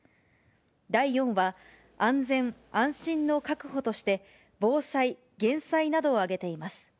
第４は、安全・安心の確保として、防災、減災などを挙げています。